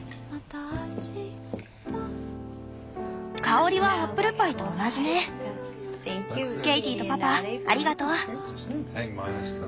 香りはアップルパイと同じねケイティとパパありがとう。